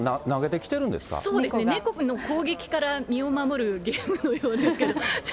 そうですね、猫からの攻撃から身を守るゲームのようですけど。